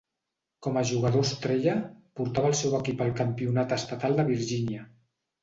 Com a jugador estrella, portava el seu equip al Campionat Estatal de Virgínia.